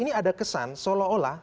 ini ada kesan seolah olah